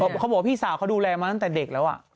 เขาบอกว่าพี่สาวเขาดูแลมาตั้งแต่เด็กแล้ว